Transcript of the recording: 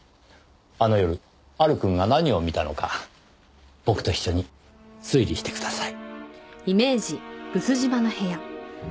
あの夜アルくんが何を見たのか僕と一緒に推理してください。